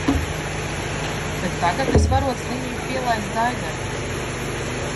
Bet tagad es varot slimību pielaist Zaigai.